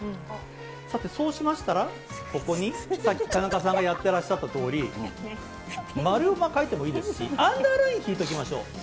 さて、そうしましたら、ここに、さっき田中さんがやってらっしゃったとおり、丸は描いてもいいですし、アンダーライン引いておきましょう。